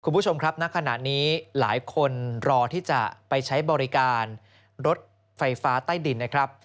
คุณผู้ชมครับณขณะนี้หลายคนรอที่จะไปใช้บริการรถไฟฟ้าใต้ดินนะครับ